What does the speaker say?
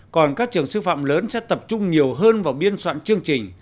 còn các trường sư phạm lớn sẽ tập trung nhiều hơn vào biên soạn chương trình